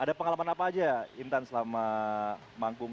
ada pengalaman apa aja intan selama mangkum